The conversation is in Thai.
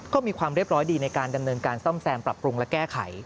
ก็มีความเรียบร้อยดีในการดำเนินการซ่อมแซมปรับปรุงและแก้ไข